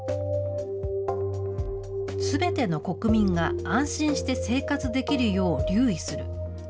すべての国民が安心して生活できるよう留意する。